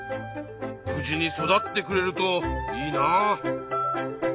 無事に育ってくれるといいなあ。